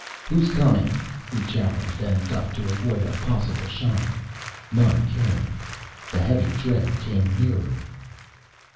"Who's coming?" he challenged, and ducked to avoid a possible shot. None came. The heavy tread came nearer.